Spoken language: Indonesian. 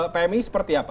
pmi seperti apa